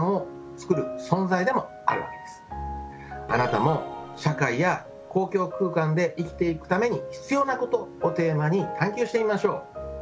あなたも「社会や公共空間で生きていくために必要なこと」をテーマに探究してみましょう。